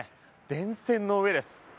電線の上です。